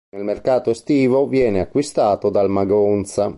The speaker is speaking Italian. Nel mercato estivo viene acquistato dal Magonza.